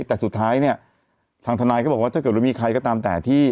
แต่สุดท้ายเนี่ยทางทนายก็บอกว่าถ้าเกิดว่ามีใครก็ตามแต่ที่